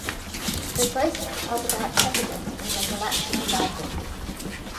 The ghosts are without precedent in the galactic library.